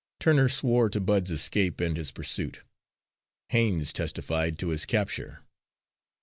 Turner swore to Bud's escape and his pursuit. Haines testified to his capture.